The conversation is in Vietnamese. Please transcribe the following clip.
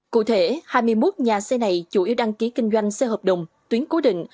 cụ thể hai mươi một nhà xe này chủ yếu đăng ký kinh doanh xe hợp đồng tuyến cố định